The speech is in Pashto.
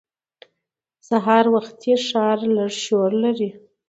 سهار وختي ښار لږ شور لري